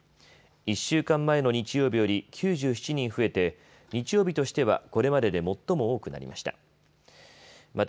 １週間前の日曜日より９７人増えて日曜日としてはこれまでで最も多くなりました。